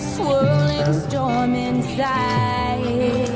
คุณพ่องตาแม่ค่ะ